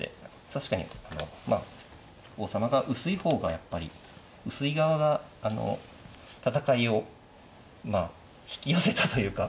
確かにまあ王様が薄い方がやっぱり薄い側が戦いをまあ引き寄せたというか。